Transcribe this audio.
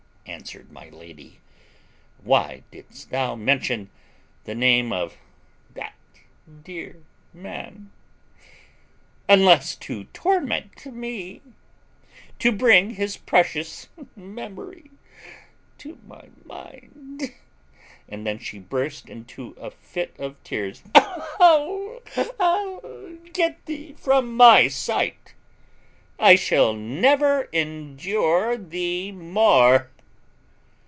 answered my lady; "why didst thou mention the name of that dear man, unless to torment me, to bring his precious memory to my mind?" (and then she burst into a fit of tears.) "Get thee from my sight! I shall never endure thee more."